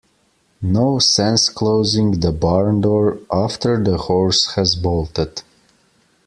No sense closing the barn door after the horse has bolted.